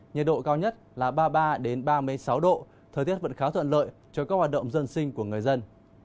nhiệt độ cao nhất là ba mươi ba ba mươi sáu độ thời tiết vẫn khá thuận lợi cho các hoạt động dân sinh của người dân